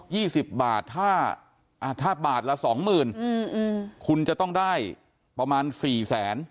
ี่สิบบาทถ้าอ่าถ้าถ้าบาทละสองหมื่นอืมคุณจะต้องได้ประมาณสี่แสน